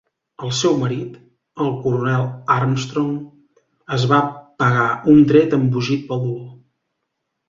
El seu marit, el coronel Armstrong, es va pegar un tret embogit pel dolor.